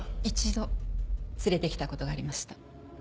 一度連れて来たことがありました。